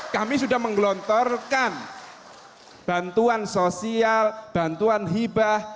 kami sudah menggelontorkan bantuan sosial bantuan hibah